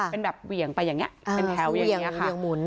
เป็นแบบเหวี่ยงไปอย่างนี้เป็นแถวอย่างนี้ค่ะ